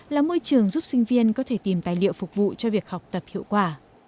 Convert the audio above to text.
là môi trường giúp sinh viên có thể tìm tài liệu phục vụ cho việc học tập hiệu quả